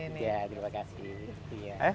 iya terima kasih